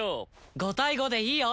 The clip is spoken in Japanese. ５対５でいいよ。